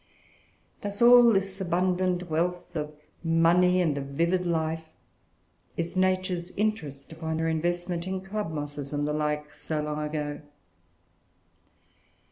Thus, all this abundant wealth of money and of vivid life is Nature's interest upon her investment in club mosses, and the like, so long ago.